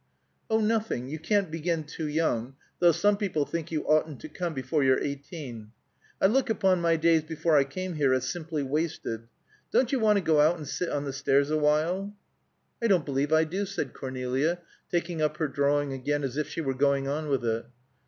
"Oh, nothing. You can't begin too young; though some people think you oughtn't to come before you're eighteen. I look upon my days before I came here as simply wasted. Don't you want to go out and sit on the stairs awhile?" "I don't believe I do," said Cornelia, taking up her drawing again, as if she were going on with it.